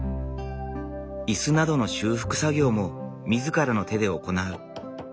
椅子などの修復作業も自らの手で行う。